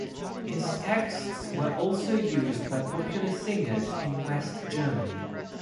His texts were also used by popular singers in West Germany.